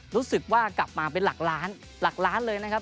รู้สึกว่ากลับมาเป็นหลักล้านหลักล้านเลยนะครับ